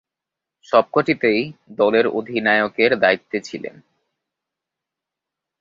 সবকটিতেই দলের অধিনায়কের দায়িত্বে ছিলেন।